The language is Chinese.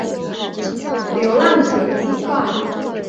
流浪者计画